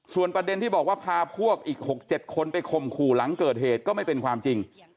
ส่วนประเด็นที่บอกว่าพาพวกอีก๖๗คนไปข่มขู่หลังเกิดเหตุก็ไม่เป็นความจริง